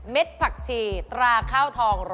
เม็ดผัก่ีราคา